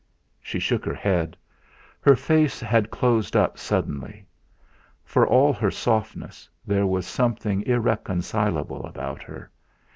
She shook her head. Her face had closed up suddenly. For all her softness there was something irreconcilable about her.